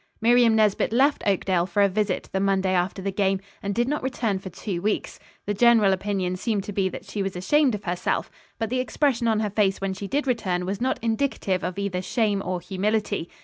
Miriam Nesbit left Oakdale for a visit the Monday after the game, and did not return for two weeks. The general opinion seemed to be that she was ashamed of herself; but the expression on her face when she did return was not indicative of either shame or humility.